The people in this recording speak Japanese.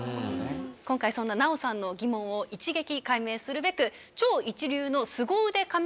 今回そんな奈緒さんの疑問を一撃解明するべく。